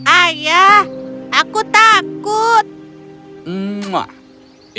ayah aku takut